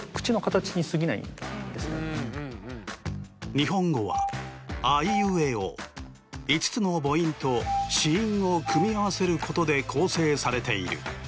日本語はあいうえお５つの母音と子音を組み合わせることで構成されている。